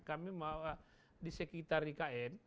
kami mau di sekitar ikn